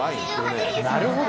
なるほど。